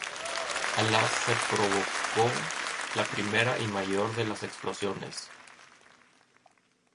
A las se provocó la primera y mayor de las explosiones.